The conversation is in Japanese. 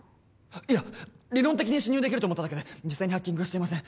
いや理論的に侵入できると思っただけで実際にハッキングはしていません